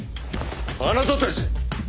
あなたたち！